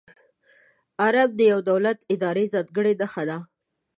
آرم د یو دولت، ادارې ځانګړې نښه ده.